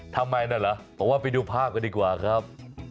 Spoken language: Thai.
ทำไมนั่นเหรอผมว่าไปดูภาพกันดีกว่าครับ